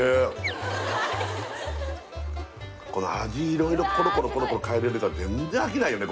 色々コロコロコロコロ変えれるから全然飽きないよね